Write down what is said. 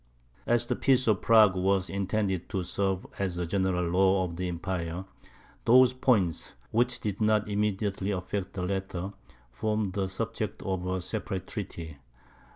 As the peace of Prague was intended to serve as a general law of the Empire, those points, which did not immediately affect the latter, formed the subject of a separate treaty.